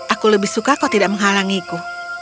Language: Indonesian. aku lebih suka kalau tidak menghalangiku